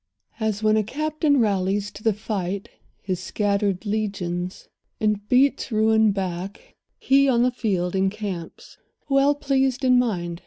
As when a captain rallies to the fight His scattered legions, and beats ruin back, He, on the field, encamps, well pleased in mind.